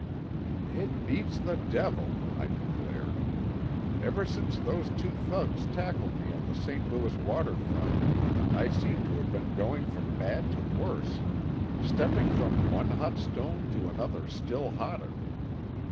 "It beats the devil," I declared. "Ever since those two thugs tackled me on the St. Louis water front I seem to have been going from bad to worse; stepping from one hot stone to another still hotter."